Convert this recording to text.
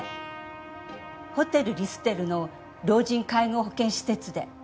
ホテルリステルの老人介護保険施設で。